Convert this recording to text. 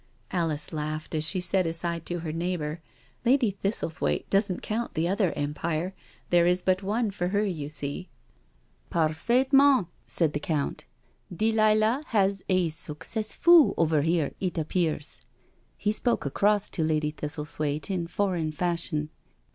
..." Alice laughed, as she said aside to her neighbour: " Lady Thistlethwaite doesn't count the other Empire, there is but one for her, you see." " Parfaltement! " said the Count. " Delilah has a ' succes fott ' over here, it appears," he spoke across to Lady Thistlethwaite in foreign fashion.